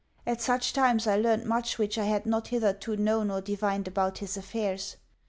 At such times I learned much which I had not hitherto known or divined about his affairs.